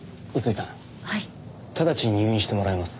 直ちに入院してもらいます。